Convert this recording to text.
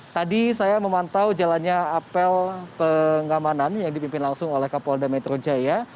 tadi saya memantau jalannya apel pengamanan yang dipimpin langsung oleh kapolda metro jaya